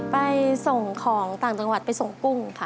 ไปส่งของต่างจังหวัดไปส่งกุ้งค่ะ